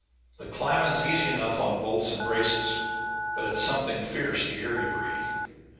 The climbing's easy enough on bolts and braces, but it's something fierce the air you breathe.